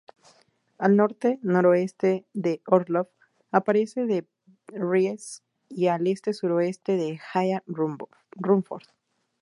Al norte-noroeste de Orlov aparece De Vries, y al este-sureste se halla Rumford.